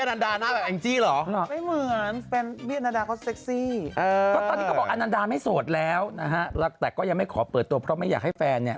ตอนนี้ก็บอกอนันดาไม่โสดแล้วนะฮะแต่ก็ยังไม่ขอเปิดตัวเพราะไม่อยากให้แฟนเนี่ย